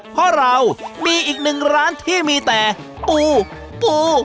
เพราะเรามีอีกหนึ่งร้านที่มีแต่ปูปู